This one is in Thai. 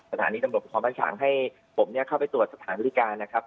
สถานีตำรวจภูทรบ้านฉางให้ผมเข้าไปตรวจสถานบริการนะครับ